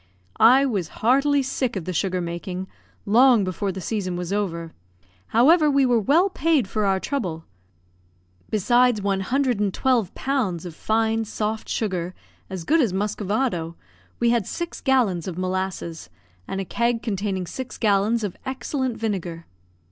I was heartily sick of the sugar making, long before the season was over; however, we were well paid for our trouble. Besides one hundred and twelve pounds of fine soft sugar, as good as Muscovado, we had six gallons of molasses, and a keg containing six gallons of excellent vinegar.